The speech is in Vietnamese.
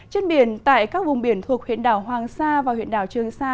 trên biển tại các vùng biển thuộc huyện đảo hoàng sa và huyện đảo trường sa